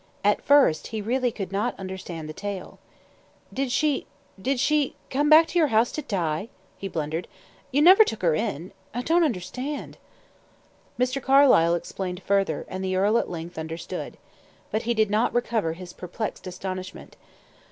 At first he really could not understand the tale. "Did she did she come back to your house to die?" he blundered. "You never took her in? I don't understand." Mr. Carlyle explained further; and the earl at length understood. But he did not recover his perplexed astonishment.